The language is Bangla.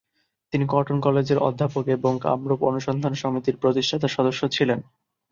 তিনি কটন কলেজের অধ্যাপক এবং কামরূপ অনুসন্ধান সমিতির প্রতিষ্ঠাতা সদস্য ছিলেন।